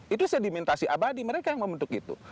itu sedimentasi abadi mereka yang membentuk itu